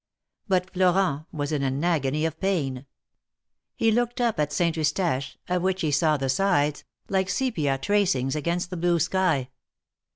But Florent was in an agony of pain. He looked up at Saint Eustache, of which he saw the sides, like sepia tracings against the blue sky.